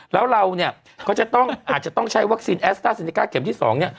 แล้วเราเนี่ยก็จะต้องอาจจะต้องใช้วัคซีนแอสต้าเซเนก้าเข็มที่๒เนี่ย